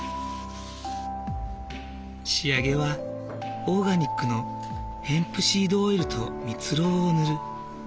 仕上げはオーガニックのヘンプシードオイルと蜜ろうを塗る。